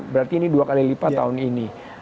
berarti ini dua kali lipat tahun ini